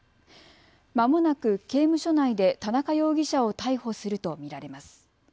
まもなく刑務所内で田中容疑者を逮捕すると見られます。